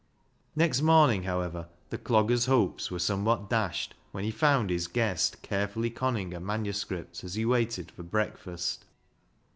Next morning, however, the Clogger's hopes were somewhat dashed when he found his guest carefully conning a manuscript as he waited for breakfast.